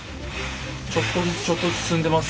ちょっとずつちょっとずつ進んでます。